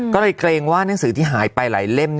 ก็เลยเกรงว่านังสือที่หายไปหลายเล่ม